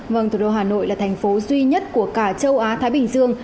vâng thủ đô hà nội là thành phố duy nhất của cả châu á thái bình dương